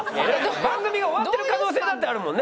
番組が終わってる可能性だってあるもんね。